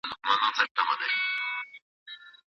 د دولت ونډه د توليد د لوړوالي لامل کېږي.